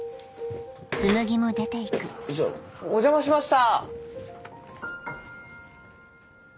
ちょお邪魔しました！